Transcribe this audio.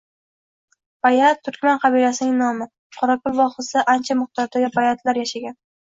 Bayat – turkman qabilasining nomi. Qorako‘l vohasida ancha miqdordagi boyatlar yashagan.